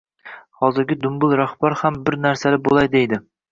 Hozirgi dumbul rahbar ham bir narsali bo‘lay deydi.